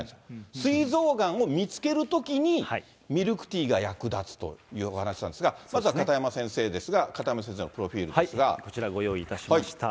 すい臓がんを見つけるときに、ミルクティーが役立つというお話なんですが、まずは片山先生ですが、片山先生のプロフィールですが。こちらご用意いたしました。